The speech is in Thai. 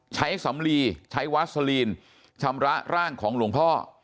สำลีใช้วาสลีนชำระร่างของหลวงพ่อ